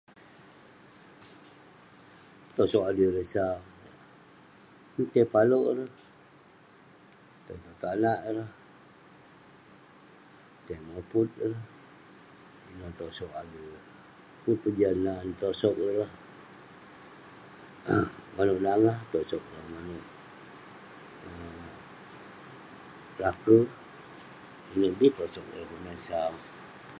Tosog adui ireh sau, yeng tai palouk ireh, tai tong tanak ireh, tai moput ireh, ineh tosog adui ireh. Pun peh jah nan, tosog ireh um manouk nangah, tosog ireh manouk um laker. Ineh bi tosog ireh kelunan sau.